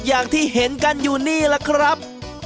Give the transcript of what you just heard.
อย่างที่เห็นกันอยู่นี่แหละครับ